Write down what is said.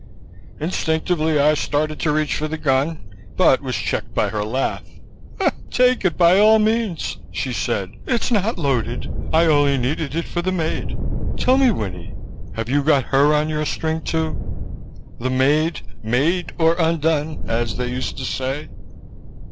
Instinctively I started to reach for the gun but was checked by her laugh. "Take it, by all means," she said. "It's not loaded. I only needed it for the maid. Tell me, Winnie, have you got her on your string, too? The maid made or undone, as they used to say."